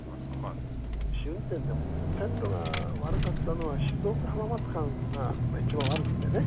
試運転でも線路が悪かったのは静岡浜松間が一番悪くてね。